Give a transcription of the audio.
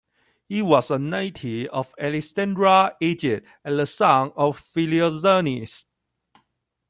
He was a native of Alexandria, Egypt and the son of Philoxenus.